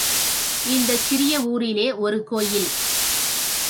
இந்தச் சிறிய ஊரிலே ஒரு கோயில்.